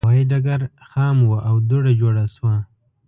هوایي ډګر خام و او دوړه جوړه شوه.